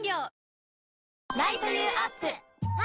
あ！